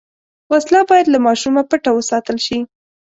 وسله باید له ماشومه پټه وساتل شي